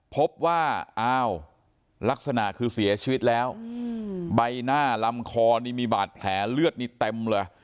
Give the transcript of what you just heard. พบว่าอ้าวลักษณะคือเสียชีวิตแล้วใบหน้าลำคอนี่มีบาดแผลเลือดนี่เต็มเลย